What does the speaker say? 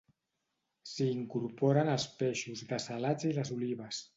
S'hi incorporen els peixos dessalats i les olives